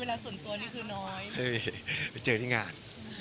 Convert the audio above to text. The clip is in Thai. เวลาส่วนตัวนี้คือน้อยเจอที่งาน